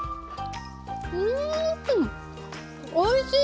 うんおいしい！